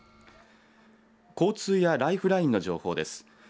交通やライフラインの情報です。